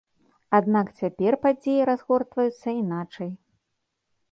Аднак цяпер падзеі разгортваюцца іначай.